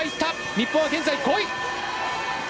日本、現在５位！